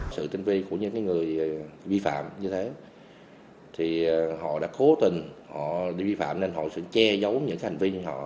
sự tinh vi của những người vi phạm như thế thì họ đã cố tình họ vi phạm nên họ sẽ che giấu những hành vi như họ